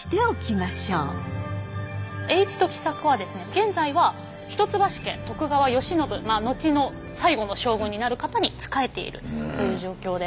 現在は一橋家徳川慶喜後の最後の将軍になる方に仕えているという状況で。